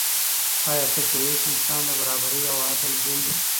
آیا ته پوهېږې چې اسلام د برابرۍ او عدل دین دی؟